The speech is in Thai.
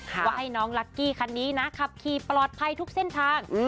ว่าให้น้องลักกี้คันนี้นะขับขี่ปลอดภัยทุกเส้นทาง